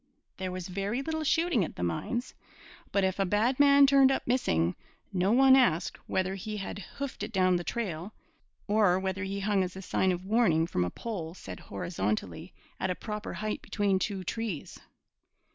There was very little shooting at the mines, but if a bad man 'turned up missing,' no one asked whether he had 'hoofed' it down the trail, or whether he hung as a sign of warning from a pole set horizontally at a proper height between two trees.